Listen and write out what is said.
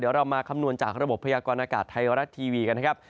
เดี๋ยวเรามาคำนวณจากระบบพยากรณากาศไทยรัฐทีวีกันนะครับ